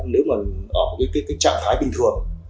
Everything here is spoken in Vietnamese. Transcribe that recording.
nếu mà ở cái trạng thái bình thường